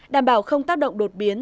đảm bảo không tác động đột biến